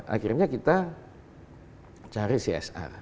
akhirnya kita cari csr